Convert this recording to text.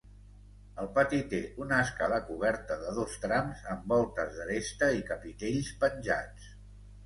El pati té una escala coberta de dos trams amb voltes d'aresta i capitells penjats.